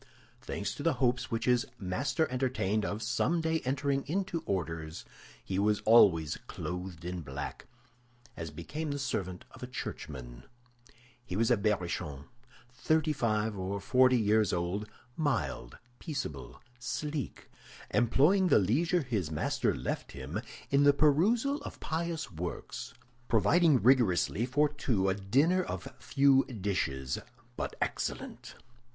Thanks to the hopes which his master entertained of someday entering into orders, he was always clothed in black, as became the servant of a churchman. He was a Berrichon, thirty five or forty years old, mild, peaceable, sleek, employing the leisure his master left him in the perusal of pious works, providing rigorously for two a dinner of few dishes, but excellent.